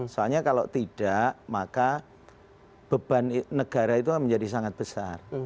soalnya kalau tidak maka beban negara itu menjadi sangat besar